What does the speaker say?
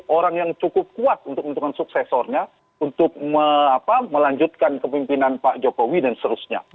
orang yang cukup kuat untuk menentukan suksesornya untuk melanjutkan kepimpinan pak jokowi dan seterusnya